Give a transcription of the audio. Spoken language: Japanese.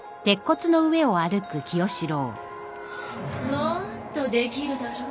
もっとできるだろう？